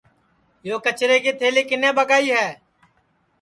یو کچرے کی تھلی کِنے ٻگائی ہے